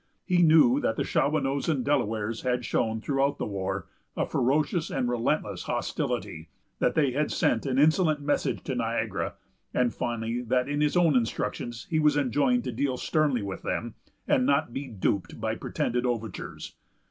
He knew that the Shawanoes and Delawares had shown, throughout the war, a ferocious and relentless hostility; that they had sent an insolent message to Niagara; and, finally, that in his own instructions he was enjoined to deal sternly with them, and not be duped by pretended overtures.